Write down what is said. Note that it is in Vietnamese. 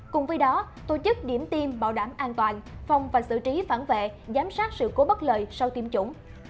cùng với đó tổ chức điểm tiêm bảo đảm an toàn phòng và xử trí phản vệ giám sát sự cố bất lợi sau tiêm chủng